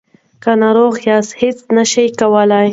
که ناروغ یاست هیڅ نشئ کولای.